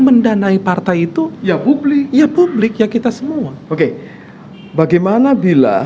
mendanai partai itu ya publik ya publik ya kita semua oke bagaimana bila hai apa yang kita bicarakan